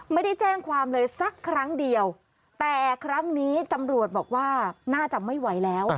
ไม่ได้แจ้งความเลยสักครั้งเดียวแต่ครั้งนี้ตำรวจบอกว่าน่าจะไม่ไหวแล้ว